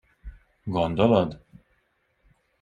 Gondolod?